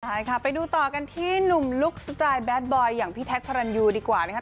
ใช่ค่ะไปดูต่อกันที่หนุ่มลุคสไตล์แดดบอยอย่างพี่แท็กพระรันยูดีกว่านะครับ